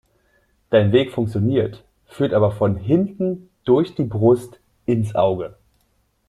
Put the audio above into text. Dein Weg funktioniert, führt aber von hinten durch die Brust ins Auge.